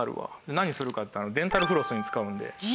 何するかってデンタルフロスに使うんで。